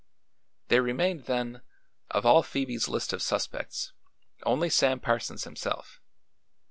There remained, then, of all Phoebe's list of suspects, only Sam Parsons himself.